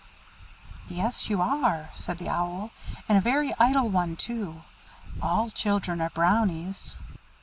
"Yes, you are," said the Owl, "and a very idle one too. All children are Brownies."